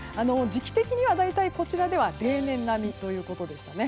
時期的には大体こちらでは例年並みということですね。